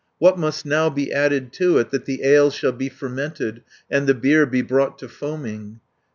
'What must now be added to it, That the ale shall be fermented, And the beer be brought to foaming?'